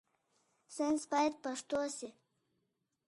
ساينس بايد پښتو شي.